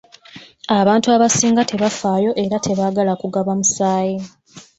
Abantu abasinga tebafaayo era tebaagala kugaba musaayi.